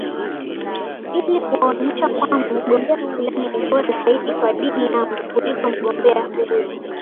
ili kuwaonyesha kwamba mgombea fulani ni bora zaidi kwa dini yangu kuliko mgombea huyu